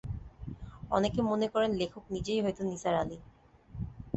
অনেকে মনে করেন লেখক নিজেই হয়তো নিসার আলি।